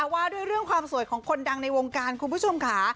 ว่าด้วยเรื่องความสวยของคนดังในวงการคุณผู้ชมค่ะ